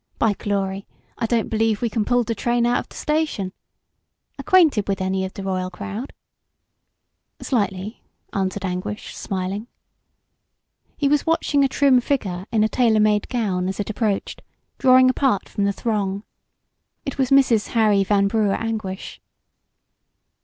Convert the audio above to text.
By glory, I don't b'lieve we c'n pull d' train out of d' station. 'Quainted wid any of d' royal crowd?" "Slightly," answered Anguish, smiling. He was watching a trim figure in a tailor made gown as it approached, drawing apart from the throng. It was Mrs. Harry Van Brugh Anguish.